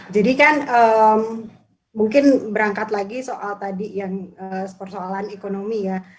jadi kan mungkin berangkat lagi soal tadi yang persoalan ekonomi ya